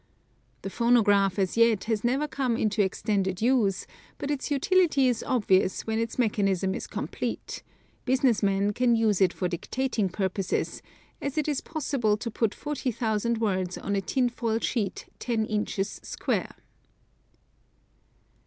The phonograph as yet has never come into extended use, but its utility is obvious when its mechanism is complete; business men can use it for dictating purposes, as it is possible to put forty thousand words on a tin foil sheet ten inches square.